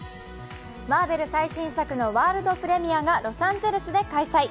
マーベル最新作のワールドプレミアがロサンゼルスで開催。